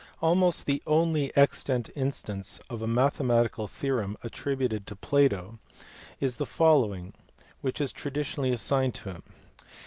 Almost the only extant instance of a mathematical theorem attributable to Plato is the following, which is traditionally assigned to him.